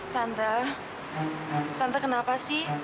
tante tante kenapa sih